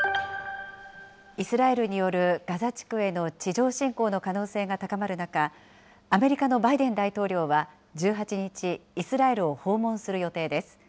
イスラエルによるガザ地区への地上侵攻の可能性が高まる中、アメリカのバイデン大統領は１８日、イスラエルを訪問する予定です。